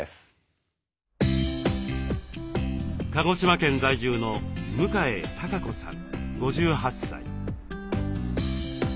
鹿児島県在住の向江貴子さん５８歳。